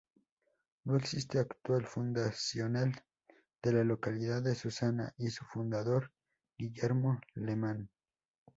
No existe Acta fundacional de la localidad de Susana, y su fundador: Guillermo Lehmann.